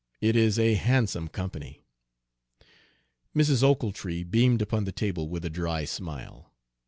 It is a handsome company." Mrs. Ochiltree beamed upon the table with a dry smile.